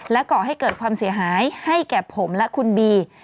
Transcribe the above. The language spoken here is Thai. ก่อให้เกิดความเสียหายให้แก่ผมและคุณบี